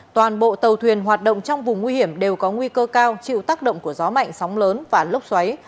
toàn bộ tàu thuyền hoạt động trong vùng nguy hiểm đều có nguy cơ cao chịu tác động của gió mạnh sóng lớn và lốc xoáy